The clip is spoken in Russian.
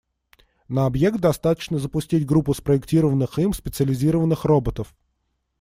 На объект достаточно запустить группу спроектированных им специализированных роботов.